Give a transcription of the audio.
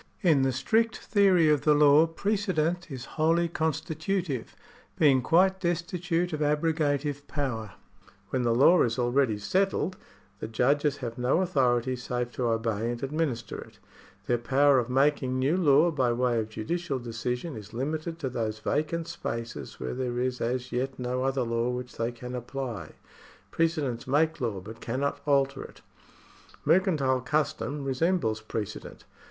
In the strict theory of the law, precedent is wholly consti tutive, being quite destitute of abrogative power. When the 124 THE SOURCES OF LAW [§ 47 law is already settled, the judges have no authority save to obey and administer it. Their power of making new law by way of judicial decision is limited to those vacant spaces where there is as yet no other law which they can apply. Precedents make law, but cannot alter it. Mercantile custom resembles precedent.